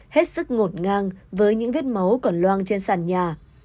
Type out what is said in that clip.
hết sức ngột ngang với những vết máu còn loang trên sàn nhà